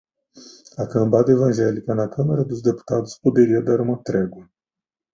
A cambada evangélica na Câmara dos Deputados poderia dar uma trégua